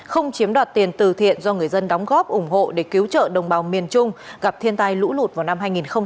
không chiếm đoạt tiền từ thiện do người dân đóng góp ủng hộ để cứu trợ đồng bào miền trung gặp thiên tai lũ lụt vào năm hai nghìn hai mươi